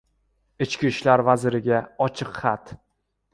Ichki ishlar vaziriga ochiq xat!